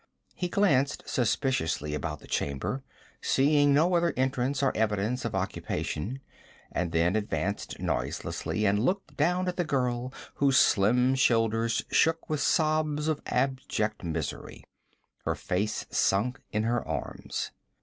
He glanced suspiciously about the chamber, seeing no other entrance or evidence of occupation, and then advanced noiselessly and looked down at the girl whose slim shoulders shook with sobs of abject misery, her face sunk in her arms.